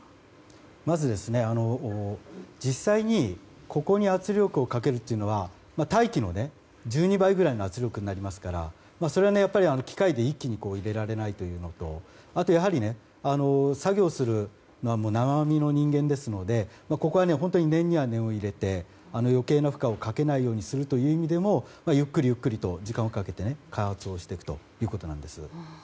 まず、実際にここに圧力をかけるというのは大気の１２倍ぐらいの圧力になりますからそれは機械で一気に入れられないというのとあとやはり作業するのは生身の人間ですのでここは、本当に念には念を入れて余計な負荷をかけないようにするという意味でもゆっくりゆっくりと時間をかけて加圧をしていくということです。